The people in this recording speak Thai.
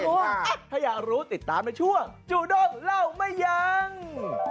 ถ้าอยากรู้ติดตามในช่วงจูด้งเล่าไม่ยัง